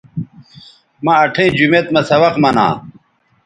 مہ اٹھئیں جومیت مہ سبق منا